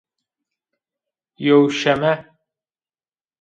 Yewşeme